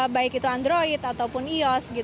baik itu android ataupun ios